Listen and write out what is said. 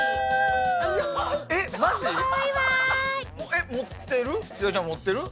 えっ持ってる？